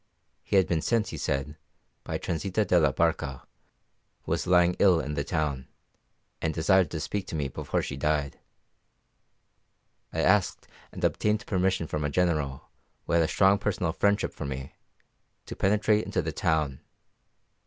He had been sent, he said, by Transita de la Barca, who was lying ill in the town, and desired to speak to me before she died. I asked and obtained permission from our General, who had a strong personal friendship for me, to penetrate into the town.